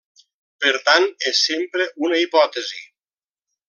Per tant és sempre una hipòtesi.